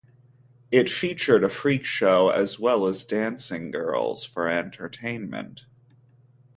It featured a freak show as well as dancing girls for entertainment.